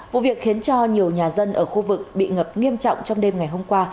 vụ việc khiến cho nhiều nhà dân ở khu vực bị ngập nghiêm trọng trong đêm ngày hôm qua